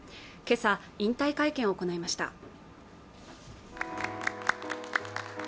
今朝引退会見を行いました